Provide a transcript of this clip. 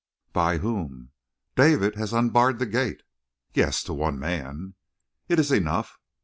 "By whom?" "David has unbarred the gate." "Yes, to one man." "It is enough."